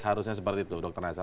harusnya seperti itu dokter naza